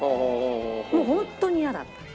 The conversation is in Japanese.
もうホントに嫌だった。